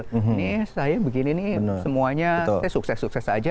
ini saya begini nih semuanya saya sukses sukses saja